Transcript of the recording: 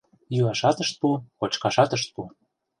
Йӱашат ышт пу, кочкашат ышт пу.